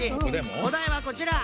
おだいはこちら。